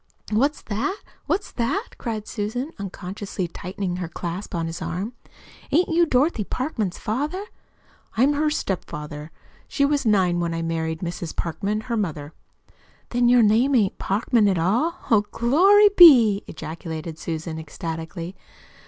"What's that? What's that?" cried Susan, unconsciously tightening her clasp on his arm. "Ain't you Dorothy Parkman's father?" "I'm her stepfather. She was nine when I married Mrs. Parkman, her mother." "Then your name ain't Parkman, at all! Oh, glory be!" ejaculated Susan ecstatically.